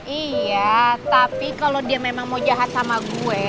iya tapi kalau dia memang mau jahat sama gue